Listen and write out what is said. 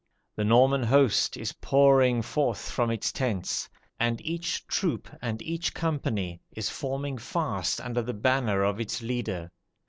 The Norman host is pouring forth from its tents; and each troop, and each company, is forming fast under the banner of its leader.